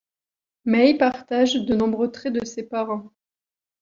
May partage de nombreux traits de ses parents.